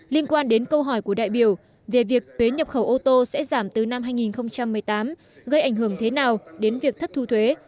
liên quan đến câu hỏi của đại biểu về việc thuế nhập khẩu ô tô sẽ giảm từ năm hai nghìn một mươi tám gây ảnh hưởng thế nào đến việc thất thu thuế